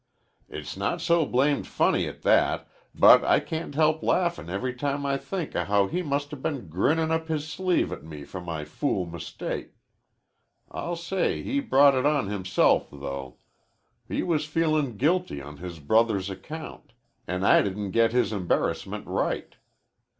"It's not so blamed funny at that, but I can't help laughin' every time I think of how he must 'a' been grinnin' up his sleeve at me for my fool mistake. I'll say he brought it on himself, though. He was feelin' guilty on his brother's account, an' I didn't get his embarrassment right.